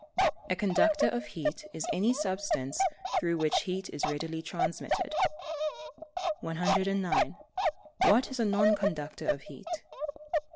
_ A conductor of heat is any substance through which heat is readily transmitted. 109. _What is a non conductor of heat?